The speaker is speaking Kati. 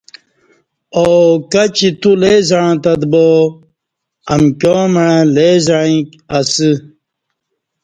او کچی تو لے زعݩہ تت با امکیا مع لے زعیک ا ستہ